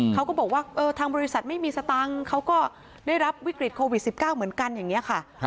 เขาก็บอกว่าทางบริษัทไม่มีสตังค์เขาก็ได้รับวิกฤตโควิด๑๙เหมือนกันอย่างนี้ค่ะ